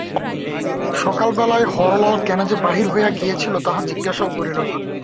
সকালবেলায় হরলাল কেন যে বাহির হইয়া গিয়াছিল তাহা জিজ্ঞাসাও করিল না।